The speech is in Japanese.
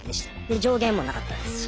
で上限もなかったですし。